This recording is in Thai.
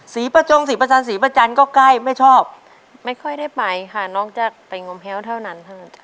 สีประจงสีประชันสีประจันทร์ก็ใกล้ไม่ชอบไม่ค่อยได้ไปค่ะนอกจากไปง้มแพ้วเท่านั้นเท่านั้นจ้ะ